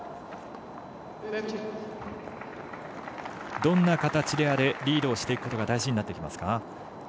どんな形であれリードしていくことが大事になってきますか。